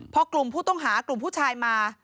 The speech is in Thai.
พอกลุ่มผู้ต้องหากลุ่มผู้ชายมา